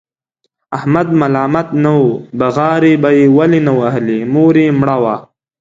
احمد ملامت نه و، بغارې به یې ولې نه وهلې؛ مور یې مړه وه.